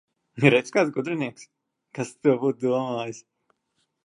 Redz, kāds gudrinieks! Kas to būtu domājis!